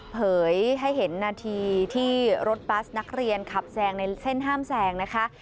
เผยให้เห็นนาทีที่รถบัสนักเรียนขับแซงในเส้นห้ามแซงนะคะ